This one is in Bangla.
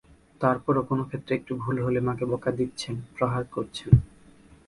তারপরও কোনো ক্ষেত্রে একটু ভুল হলে মাকে বকা দিচ্ছেন, প্রহার করছেন।